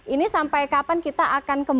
ini sampai kapan kita akan